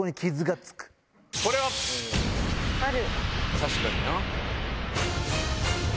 確かにな。